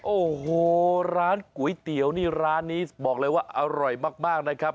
โอ้โหร้านก๋วยเตี๋ยวนี่ร้านนี้บอกเลยว่าอร่อยมากนะครับ